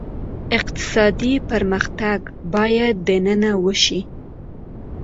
اقتصادي پرمختګ باید دننه وشي.